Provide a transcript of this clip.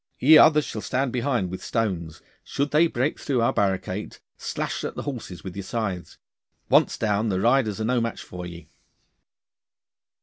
Ye others shall stand behind with stones. Should they break through our barricades, slash at the horses with your scythes. Once down, the riders are no match for ye.